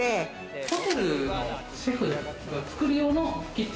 ホテルのシェフが作る用のキ